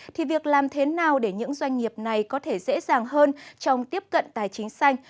thì việc làm thế nào để những doanh nghiệp này có thể dễ dàng hơn trong tiếp cận tài chính xanh